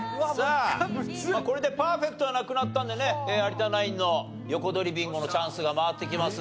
さあこれでパーフェクトはなくなったんでね有田ナインの横取りビンゴのチャンスが回ってきますんで。